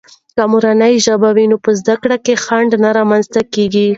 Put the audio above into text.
که مورنۍ ژبه وي، نو زده کړې کې خنډونه نه رامنځته کېږي.